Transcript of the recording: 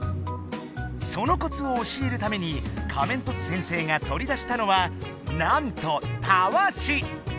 そのコツを教えるためにカメントツ先生がとり出したのはなんとたわし。